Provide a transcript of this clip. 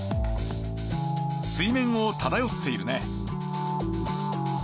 水面をただよっているね。